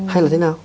hay là thế nào